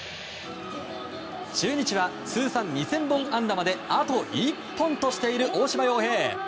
中日は通算２０００本安打まであと１本としている大島洋平。